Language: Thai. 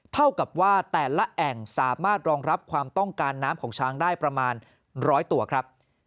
เท่ากับว่าแต่ละแอ่งสามารถรองรับความต้องการน้ำของช้างได้ประมาณ๑๐๐ตัวครับ